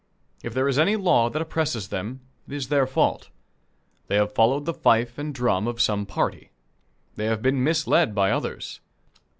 If there is any law that oppresses them, it is their fault. They have followed the fife and drum of some party. They have been misled by others.